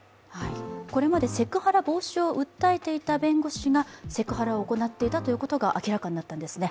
これまでセクハラ防止を訴えていた弁護士がセクハラを行っていたということが明らかになったんですね。